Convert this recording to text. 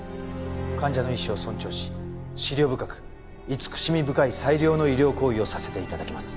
患者の意思を尊重し思慮深く慈しみ深い最良の医療行為をさせて頂きます。